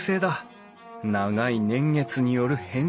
長い年月による変色！